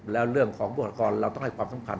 แล้วเรื่องของบทกรเราต้องให้ความสำคัญ